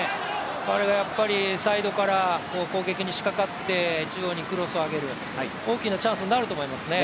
彼がサイドから攻撃にしかかって中央にクロスをあげる、大きなチャンスになると思いますね。